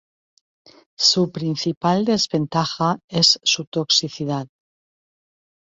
Su principal desventaja es su toxicidad.